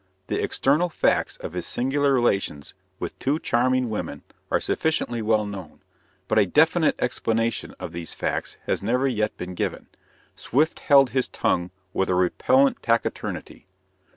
The external facts of his singular relations with two charming women are sufficiently well known; but a definite explanation of these facts has never yet been given. Swift held his tongue with a repellent taciturnity.